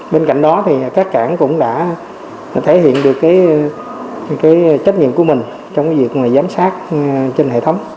bên cạnh đó thì các cảng cũng đã thể hiện được trách nhiệm của mình trong việc giám sát trên hệ thống